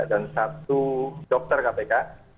dan satu dokter kpk